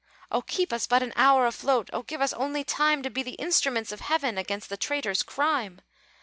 "Oh, keep us but an hour afloat! Oh, give us only time To be the instruments of heaven Against the traitors' crime!"